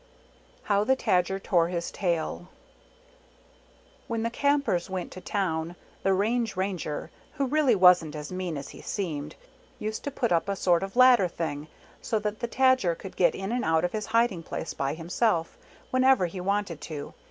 HOW THE TAJAR TORE HIS TAIL HOW THE TAJER TORE HIS TAIL When the Campers went to town the Range Ranger, who really wasn't as mean as he seemed, used to put up a sort of ladder thing, so that the Tajer could get in and out of his hiding place, by himself, whenever he wanted to.